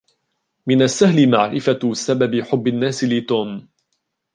مِن السهل معرفة سبب حبّ الناس لِتوم.